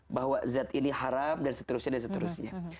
bahwa zat ini haram dan seterusnya